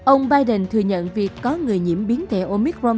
ông biden thừa nhận việc có người nhiễm biến thể omicron